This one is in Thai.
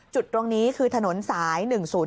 จุดตรงนี้คือถนนสาย๑๐๔